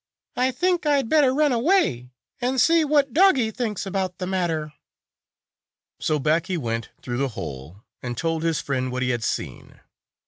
" I think I had better run away and see what Doggie thinks about the matter." 189 So back he went through the hole, and told his friend what he had seen.